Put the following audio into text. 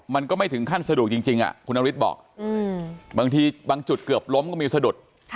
มันก็ไม่ถึงขั้นสะดุดจริงมันบางทีบางจุดเกือบล้อมก็มีสะดุด